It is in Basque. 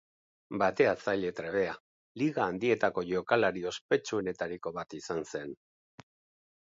Bateatzaile trebea, Liga Handietako jokalari ospetsuenetariko bat izan zen.